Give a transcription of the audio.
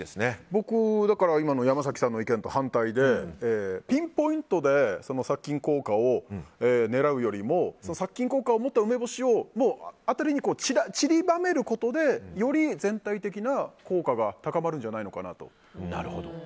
僕は今の山崎さんの意見と反対でピンポイントで殺菌効果を狙うよりも、殺菌効果を持った梅干しを辺りに散りばめることでより全体的な効果が高まるんじゃないのかなと。